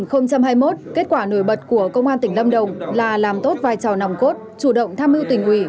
năm hai nghìn hai mươi một kết quả nổi bật của công an tỉnh lâm đồng là làm tốt vai trò nòng cốt chủ động tham mưu tỉnh ủy